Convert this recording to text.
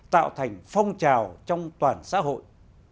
tạo thành phong trào trong toàn xã hội